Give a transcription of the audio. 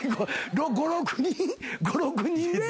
５６人で。